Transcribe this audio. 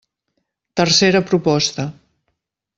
Tercera proposta.